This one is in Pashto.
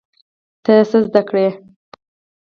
ته څه زده کړې؟